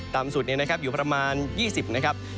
ต่ำสุดอยู่ประมาณ๒๐นะครับ